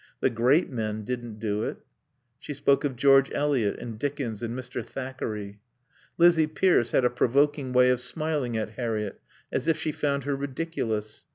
The Great Men didn't do it. She spoke of George Eliot and Dickens and Mr. Thackeray. Lizzie Pierce had a provoking way of smiling at Harriett, as if she found her ridiculous.